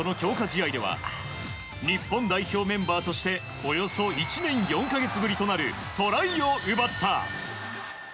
試合では日本代表メンバーとしておよそ１年４か月ぶりとなるトライを奪った。